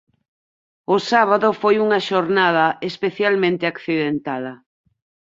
O sábado foi unha xornada especialmente accidentada.